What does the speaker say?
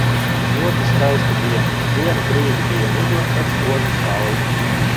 Ļoti skaista diena – vienu brīdi bija migla, tad spoža saule.